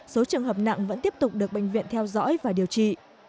số trường hợp nặng vẫn tiếp tục được bệnh viện theo dõi và điều trị